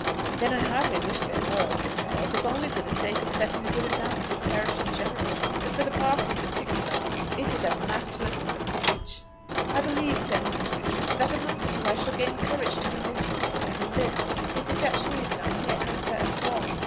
"Then I heartily wish there were," said Charles, "if only for the sake of setting a good example to the parish in general; but, for the Park in particular, it is as masterless as the cottage." "I believe," said Mrs. Richards, "that amongst you I shall gain courage to be mistress here; and this, if effectually done, may answer as well.